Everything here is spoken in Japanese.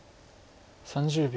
３０秒。